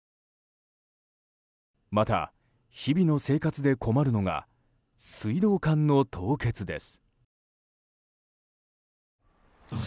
また、日々の生活で困るのが水道管の凍結です。